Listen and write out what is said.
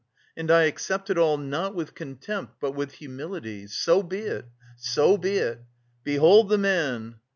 And I accept it all, not with contempt, but with humility. So be it! So be it! 'Behold the man!